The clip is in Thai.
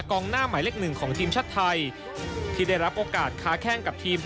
กองหน้าหมายเลขหนึ่งของทีมชาติไทยที่ได้รับโอกาสค้าแข้งกับทีม